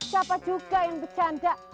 siapa juga yang bercanda